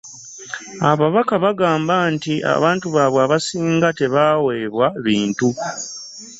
ababaka bagamba nti abantu baabwe abasinga tebaaweebwa bintu.